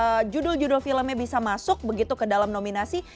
atau deretan yang judul judul filmnya bisa masuk begitu ke dalam nominasi